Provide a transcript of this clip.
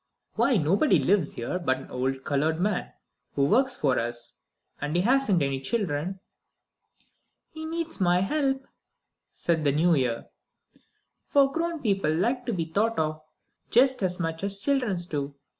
"Why, nobody lives here but an old colored man who works for us; and he hasn't any children!" "He needs my help," said the New Year; "for grown people like to be thought of just as much as children do.